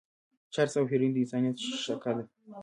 چرس او هيروين د انسانيت شېشکه ده.